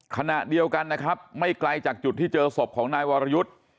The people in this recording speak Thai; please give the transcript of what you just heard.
ขณะเดียวกันนะครับไม่ไกลจากจุดที่เจอศพของนายวรยุทธ์